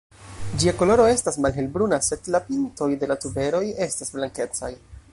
Ĝia koloro estas malhel-bruna sed la pintoj de la tuberoj estas blankecaj.